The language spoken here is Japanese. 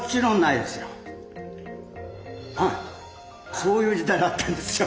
そういう時代だったんですよ。